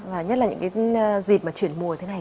và nhất là những cái dịp mà chuyển mùa thế này